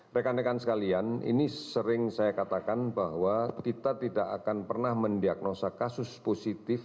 rekan rekan sekalian ini sering saya katakan bahwa kita tidak akan pernah mendiagnosa kasus positif